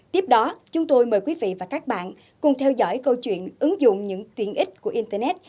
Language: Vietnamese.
tiếp đó chúng tôi mời quý vị và các bạn cùng theo dõi câu chuyện ứng dụng những tiện ích của internet